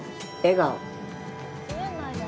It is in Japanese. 笑顔。